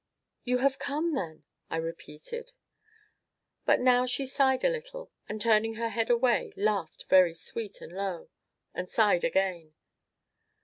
"You have come, then?" I repeated. But now she sighed a little, and, turning her head away, laughed very sweet and low and sighed again.